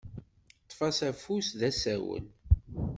Ṭṭef-as afus d asawen.